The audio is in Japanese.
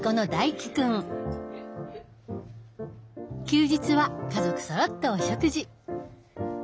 休日は家族そろってお食事。